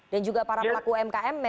dan juga para pelaku mkm